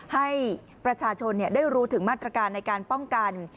ให้ประชาชนได้รู้ถึงมาตรการในการป้องกัน